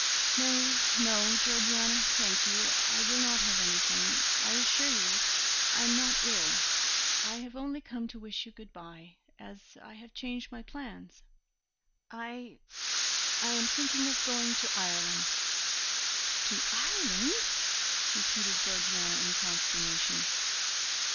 "No, no, Georgiana, thank you. I will not have anything; I assure you I am not ill. I have only come to wish you good bye, as I have changed my plans; I I am thinking of going to Ireland." "To Ireland!" repeated Georgiana in consternation.